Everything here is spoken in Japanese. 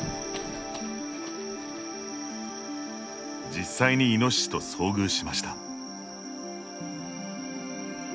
実際にイノシシと遭遇しました。